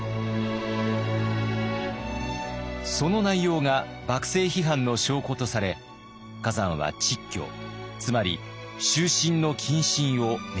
その内容が幕政批判の証拠とされ崋山は蟄居つまり終身の謹慎を命じられます。